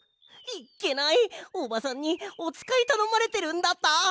いっけないおばさんにおつかいたのまれてるんだった！